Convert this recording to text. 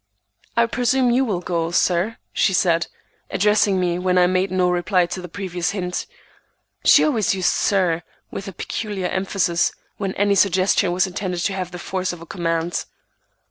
"I presume you will go, sir," she said, addressing me when I made no reply to the previous hint. She always used "sir," with a peculiar emphasis, when any suggestion was intended to have the force of a command.